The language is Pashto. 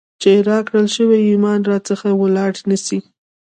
چي راکړل سوئ ایمان را څخه ولاړ نسي ،